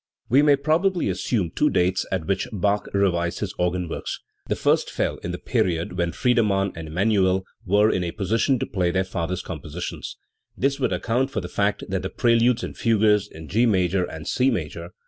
We may probably assume two dates at which Bach revised his organ works. The first fell in the period when Friedemann and Emmanuel were in a position to play their father's compositions; this would account for the fact that the preludes and fugues in G major and C major, 1 8* 276 XIII. The Organ Works.